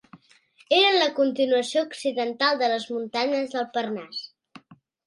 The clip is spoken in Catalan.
Eren la continuació occidental de les muntanyes del Parnàs.